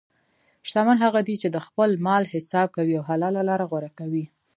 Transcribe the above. شتمن هغه دی چې د خپل مال حساب کوي او حلال لاره غوره کوي.